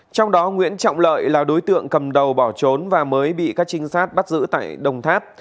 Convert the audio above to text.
trong đó nguyễn trọng lợi là đối tượng cầm đầu bỏ trốn và mới bị các trinh sát bắt giữ tại đồng tháp